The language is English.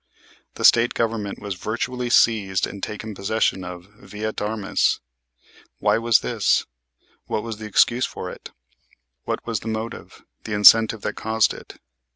The State Government was virtually seized and taken possession of vi et armis. Why was this? What was the excuse for it? What was the motive, the incentive that caused it?